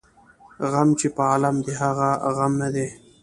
ـ غم چې په عالم دى هغه غم نه دى.